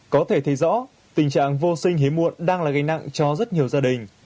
có thể thấy rõ tình trạng vô sinh hiếm muộn đang là gây nặng cho rất nhiều gia đình